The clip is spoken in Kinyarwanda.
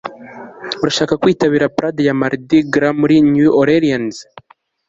urashaka kwitabira parade ya mardi gras muri new orleans